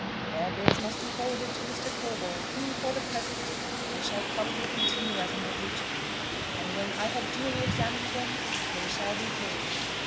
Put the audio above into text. Their bills must be forwarded to Mr. Corbold, who, for the present, I shall probably continue as my agent; and when I have duly examined them, they shall be paid.